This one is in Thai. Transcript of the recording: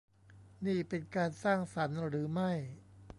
นี่เป็นการสร้างสรรค์หรือไม่ ?